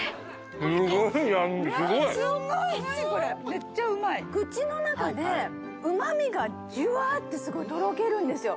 めっちゃうまい口の中でうま味がジュワーッてすごいとろけるんですよ